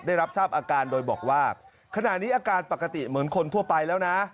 ได้รับทราบอาการโดยบอกว่าขณะนี้อาการปกติเหมือนคนทั่วไปแล้วนะ